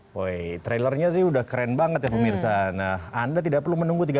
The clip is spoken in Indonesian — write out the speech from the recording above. voi trailernya sih udah keren banget ya pemirsa nah anda tidak perlu menunggu tiga